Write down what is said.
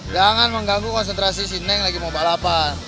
jangan mengganggu konsentrasi si neng lagi mau balapan